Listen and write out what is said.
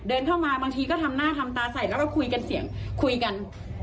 เดินเข้ามาบางทีก็ทำหน้าทำตาใส่แล้วก็คุยกันเสียงคุยกัน